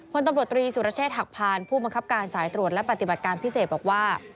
พลตำรวจตรีสุรเชษฐหักพานผู้บังคับการสายตรวจและปฏิบัติการพิเศษบอกว่า